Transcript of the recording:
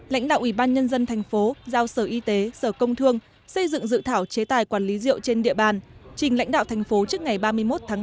lãnh đạo ủy ban nhân dân thành phố giao sở y tế sở công thương xây dựng dự thảo chế tài quản lý rượu trên địa bàn trình lãnh đạo thành phố trước ngày ba mươi một tháng năm